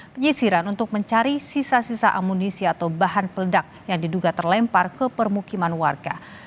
penyisiran untuk mencari sisa sisa amunisi atau bahan peledak yang diduga terlempar ke permukiman warga